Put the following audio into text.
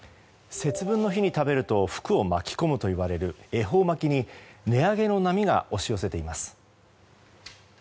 節分の日に食べると福を巻き込むといわれる恵方巻きに値上げの波が押し寄せています。